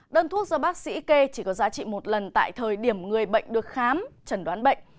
đơn thuốc do bác sĩ kê chỉ có giá trị một lần tại thời điểm người bệnh được khám trần đoán bệnh